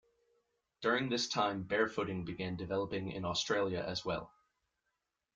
During this time barefooting began developing in Australia as well.